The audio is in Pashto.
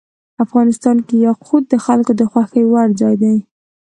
افغانستان کې یاقوت د خلکو د خوښې وړ ځای دی.